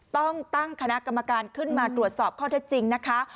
ต้องตั้งคณะกรรมการขึ้นมาตรวจสอบข้อเท็จจริงนะคะ